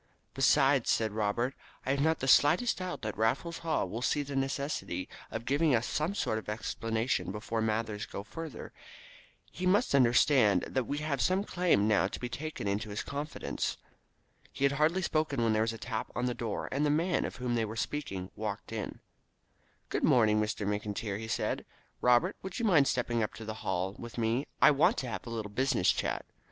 "Besides," said Robert, "I have not the slightest doubt that Raffles Haw will see the necessity for giving us some sort of explanation before matters go further. He must understand that we have some claim now to be taken into his confidence." He had hardly spoken when there was a tap at the door, and the man of whom they were speaking walked in. "Good morning, Mr. McIntyre," said he. "Robert, would you mind stepping up to the Hall with me? I want to have a little business chat."